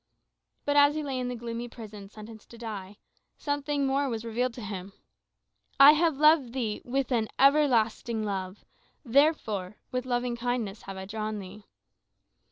But as he lay in the gloomy prison, sentenced to die, something more was revealed to him. "I have loved thee with an everlasting love, therefore with loving kindness have I drawn thee."